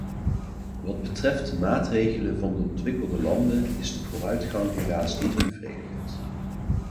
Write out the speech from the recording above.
Wat betreft de maatregelen van de ontwikkelde landen is de vooruitgang helaas niet bevredigend.